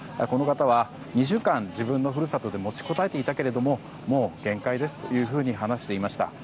この方は２週間自分の故郷で持ちこたえていたけどもう限界ですというふうに話していました。